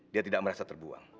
dia tidak merasa terbuang